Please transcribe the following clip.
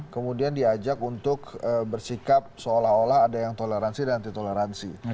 kemudian diajak untuk bersikap seolah olah ada yang toleransi dan anti toleransi